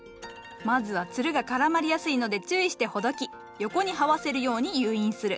まずはつるが絡まりやすいので注意してほどき横に這わせるように誘引する。